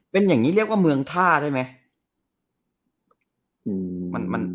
เป็นอย่างนี้เรียกว่าเมืองท่าได้ไหม